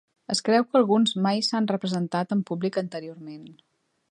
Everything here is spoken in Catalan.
Es creu que alguns mai s'han representat en públic anteriorment.